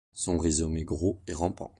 Son rhizome est gros et rampant.